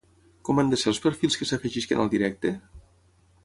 Com han de ser els perfils que s'afegeixin al directe?